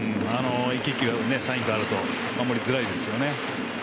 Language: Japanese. １球１球サインがあると守りづらいですよね。